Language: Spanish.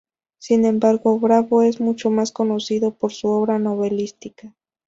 Sin embargo Bravo es mucho más conocido por su obra novelística.